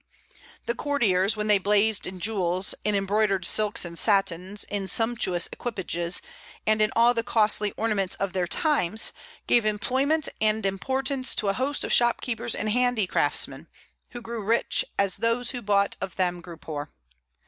The courtiers, when they blazed in jewels, in embroidered silks and satins, in sumptuous equipages, and in all the costly ornaments of their times, gave employment and importance to a host of shopkeepers and handicraftsmen, who grew rich, as those who bought of them grew poor.